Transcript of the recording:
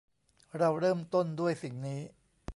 เราเริ่มต้นด้วยสิ่งนี้